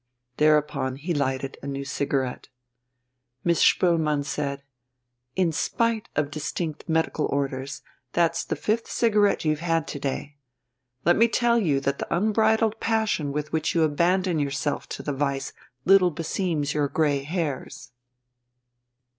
Thereupon he lighted a new cigarette. Miss Spoelmann said: "In spite of distinct medical orders, that's the fifth cigarette you've had to day. Let me tell you that the unbridled passion with which you abandon yourself to the vice little beseems your grey hairs."